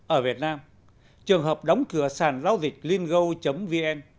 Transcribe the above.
ở việt nam trường hợp đóng cửa sàn giao dịch lingo vn